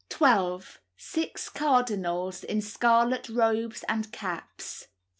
12. Six cardinals, in scarlet robes and caps. 13.